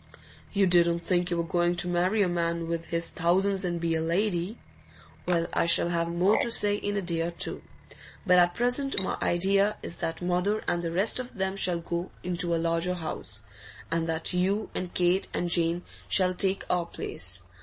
'You didn't think you were going to marry a man with his thousands and be a lady? Well, I shall have more to say in a day or two. But at present my idea is that mother and the rest of them shall go into a larger house, and that you and Kate and Jane shall take our place.